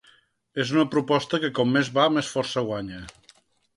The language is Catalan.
És una proposta que com més va més força guanya.